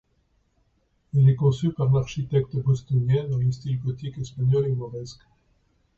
Elle est conçue par l'architecte bostonien dans les styles gothique espagnol et mauresque.